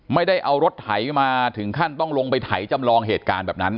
ไม่ได้เอารถไถมาถึงขั้นต้องลงไปไถจำลองเหตุการณ์แบบนั้น